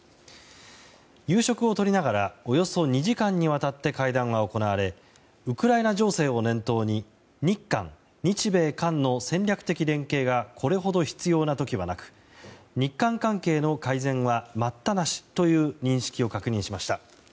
夕食をとりながらおよそ２時間にわたって会談が行われウクライナ情勢を念頭に日韓、日米韓の戦略的連携がこれほど必要な時はなく日韓関係の改善は待ったなしという認識を確認しました。